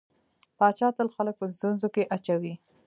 پاچا تل خلک په ستونزو کې اچوي.